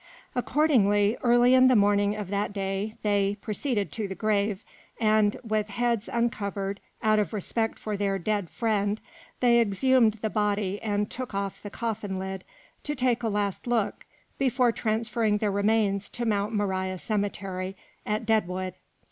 Accordingly, early in the morning of that day they, proceeded to the grave, and, with heads uncovered, out of respect for their dead friend, they exhumed the body and took off the coffin lid to take a last look before transferring the remains to Mount Moriah cemetery, at Deadwood.